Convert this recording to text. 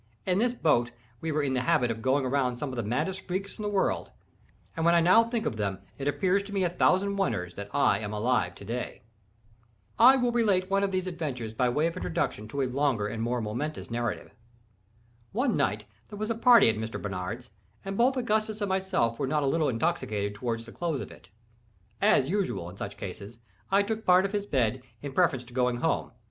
In this boat we were in the habit of going on some of the maddest freaks in the world; and, when I now think of them, it appears to me a thousand wonders that I am alive to day. I will relate one of these adventures by way of introduction to a longer and more momentous narrative. One night there was a party at Mr. Barnard's, and both Augustus and myself were not a little intoxicated toward the close of it. As usual, in such cases, I took part of his bed in preference to going home.